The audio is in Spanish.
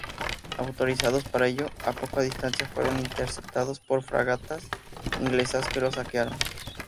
Autorizados para ello, a poca distancia fueron interceptados por fragatas inglesas que los saquearon.